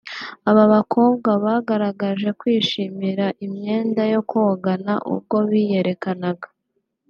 Aba bakobwa bagaragaje kwishimira imyenda yo kwogana( Bikini) ubwo biyerekanaga